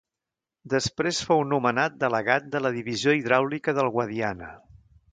Després fou nomenat delegat de la Divisió Hidràulica del Guadiana.